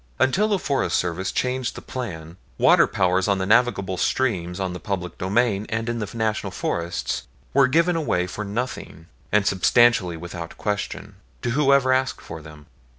Until the Forest Service changed the plan, water powers on the navigable streams, on the public domain, and in the National Forests were given away for nothing, and substantially without question, to whoever asked for them.